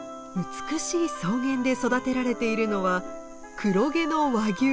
美しい草原で育てられているのは黒毛の和牛。